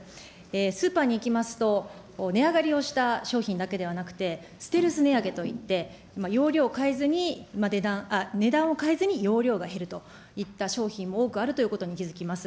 スーパーに行きますと、値上がりをした商品だけではなくて、ステルス値上げといって、容量を変えずに値段、値段を変えずに容量が減るといった商品も多くあるということに気付きます。